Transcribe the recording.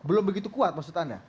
belum begitu kuat maksudannya